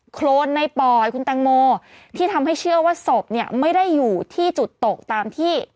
โครนในป่อยคุณแตงโมที่ทำให้เชื่อว่าศพเนี่ยไม่ได้อยู่ที่จุดตกตามที่